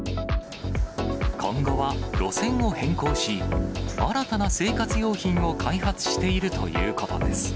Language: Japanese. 今後は路線を変更し、新たな生活用品を開発しているということです。